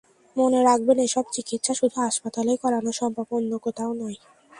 মনে রাখবেন, এসব চিকিৎসা শুধু হাসপাতালেই করানো সম্ভব, অন্য কোথাও নয়।